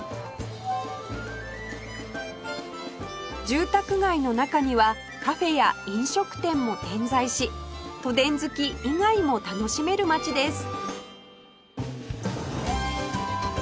住宅街の中にはカフェや飲食店も点在し都電好き以外も楽しめる街です